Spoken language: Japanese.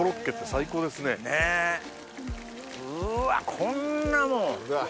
うわこんなもん。